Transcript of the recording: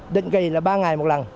định kỳ là ba ngày một lần